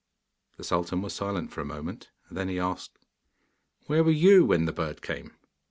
The sultan was silent for a moment: then he asked, 'Where were you when the bird came?